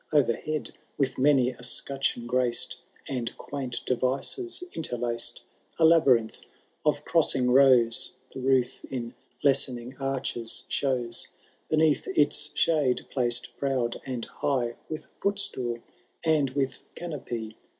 O'eihead with many a scutcheon graced. And quaint devices interlaced, A labyrinth of crossing rows, The roof in lessening arches shows ; Beneath its shade placed proud and high, With footstool and with canopy.